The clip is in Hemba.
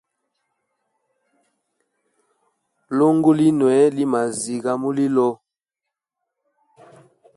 Lungu lino li mwaziga mulilo.